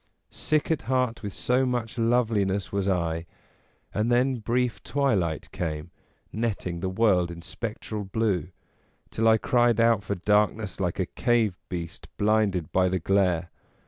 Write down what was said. Sick at heart with so much loveli ness was I, and then brief twilight came, netting the world in spectral blue, till I cried out for darkness like a cave beast blinded by the glare.